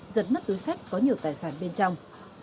giật mất túi xách có nhiều tài sản bên trong